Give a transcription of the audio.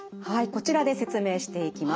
こちらで説明していきます。